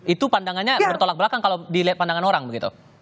itu pandangannya bertolak belakang kalau dilihat pandangan orang begitu